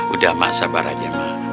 udah mak sabar aja mak